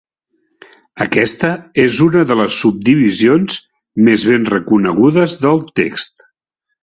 Aquesta és una de les subdivisions més ben reconegudes del text.